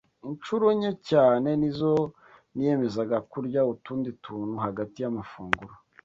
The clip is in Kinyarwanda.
Inshuro nke cyane ni zo niyemezaga kurya utundi tuntu hagati y’amafunguro